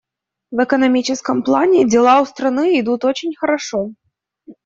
В экономическом плане дела у страны идут очень хорошо.